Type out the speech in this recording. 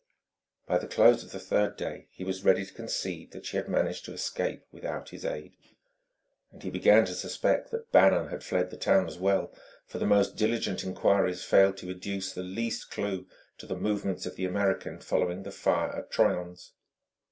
By the close of the third day he was ready to concede that she had managed to escape without his aid. And he began to suspect that Bannon had fled the town as well; for the most diligent enquiries failed to educe the least clue to the movements of the American following the fire at Troyon's.